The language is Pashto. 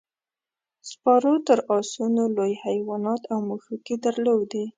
سپارو تر اسونو لوی حیوانات او مښوکې درلودې.